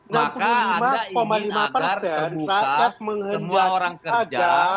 maka anda ingin agar terbuka semua orang kerja